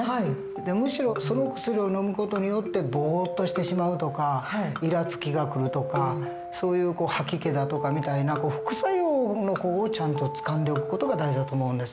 でむしろその薬をのむ事によってぼっとしてしまうとかいらつきがくるとかそういう吐き気だとかみたいな副作用の方をちゃんとつかんでおく事が大事だと思うんです。